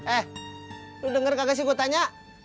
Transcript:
eh lo denger kagak sih gue tanya